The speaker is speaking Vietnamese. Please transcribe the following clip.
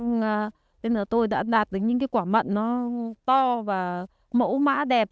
nên là tôi đã đạt được những cái quả mận nó to và mẫu mã đẹp